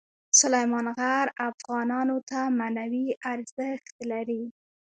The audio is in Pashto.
سلیمان غر افغانانو ته معنوي ارزښت لري.